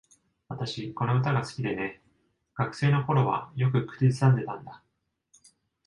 私、この歌が好きでね。学生の頃はよく口ずさんでたんだ。